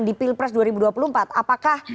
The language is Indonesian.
di pilpres dua ribu dua puluh empat apakah